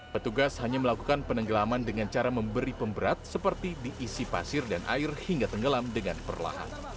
petugas hanya melakukan penenggelaman dengan cara memberi pemberat seperti diisi pasir dan air hingga tenggelam dengan perlahan